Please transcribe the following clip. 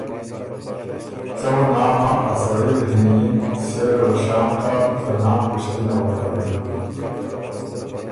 څه وه نام هۀ، اسړئ اِر هېںئِن، سېره ره شام کَۀ، ته نام پِشتِنه وه بو کوِن“